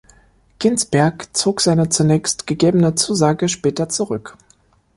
Ginsberg zog seine zunächst gegebene Zusage später zurück.